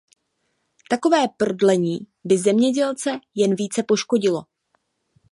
Takové prodlení by zemědělce jen více poškodilo.